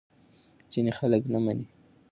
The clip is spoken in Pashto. ځینې خلک نه مني.